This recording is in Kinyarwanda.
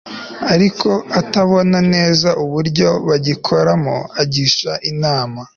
ariko atabona neza uburyo ari bugikoremo agisha inama